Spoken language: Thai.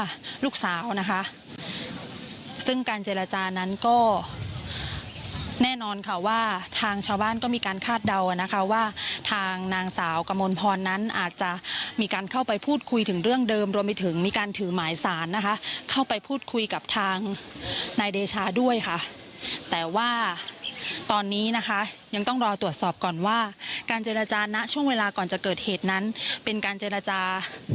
ลูกสาวนะคะซึ่งการเจรจานั้นก็แน่นอนค่ะว่าทางชาวบ้านก็มีการคาดเดานะคะว่าทางนางสาวกมลพรนั้นอาจจะมีการเข้าไปพูดคุยถึงเรื่องเดิมรวมไปถึงมีการถือหมายสารนะคะเข้าไปพูดคุยกับทางนายเดชาด้วยค่ะแต่ว่าตอนนี้นะคะยังต้องรอตรวจสอบก่อนว่าการเจรจานะช่วงเวลาก่อนจะเกิดเหตุนั้นเป็นการเจรจา